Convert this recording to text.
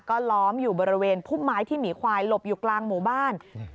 ก็ล้อมอยู่บริเวณพุ่มไม้ที่หมีควายหลบอยู่กลางหมู่บ้าน